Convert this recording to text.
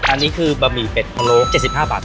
อันนี้คือบะหมี่เป็ดพะโล้๗๕บาท